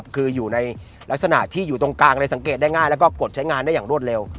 คืออยู่ในลักษณะที่อยู่ตรงกลางเลยสังเกตได้ง่ายแล้วก็กดใช้งานได้อย่างรวดเร็ว